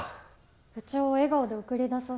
部長を笑顔で送り出そう。